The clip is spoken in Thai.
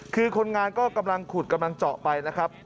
คือคนงานก็กำลังขุดกำลังเจาะไปนะครับ